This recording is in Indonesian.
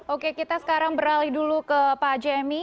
oke kita sekarang beralih dulu ke pak jemmy